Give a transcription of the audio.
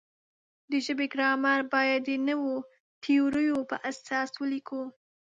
د ژبې ګرامر باید د نویو تیوریو پر اساس ولیکو.